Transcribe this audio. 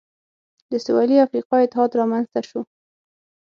د سوېلي افریقا اتحاد رامنځته شو.